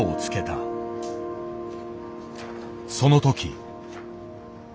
その時。